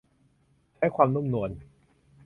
ใช้ความนุ่มนวล